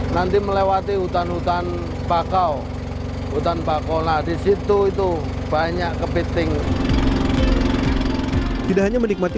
nanti melewati hutan hutan bakau hutan bakola di situ itu banyak kebiting tidak hanya menikmati